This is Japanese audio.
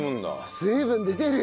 水分出てるよ。